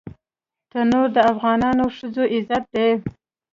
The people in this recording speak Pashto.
تنور د افغانو ښځو عزت دی